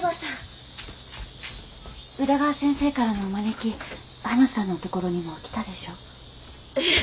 宇田川先生からのお招きはなさんのところにも来たでしょう？